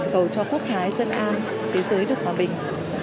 cầu cho quốc thái dân an thế giới được hòa bình